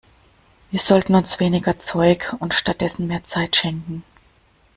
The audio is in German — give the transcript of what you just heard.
Wir sollten uns weniger Zeug und stattdessen mehr Zeit schenken.